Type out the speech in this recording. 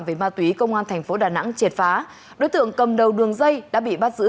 về ma túy công an thành phố đà nẵng triệt phá đối tượng cầm đầu đường dây đã bị bắt giữ